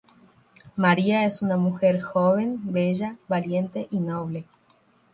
María es una mujer joven, bella, valiente y noble.